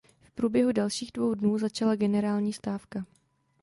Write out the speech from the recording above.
V průběhu dalších dvou dnů začala generální stávka.